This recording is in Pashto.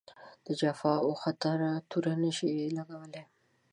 د جفا او خطا تور نه شي لګولای.